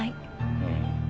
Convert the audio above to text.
うん。